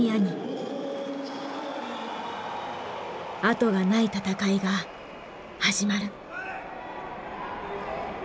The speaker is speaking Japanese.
後がない戦いが始まる。